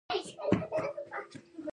نبض یې بیخي کم چلیده.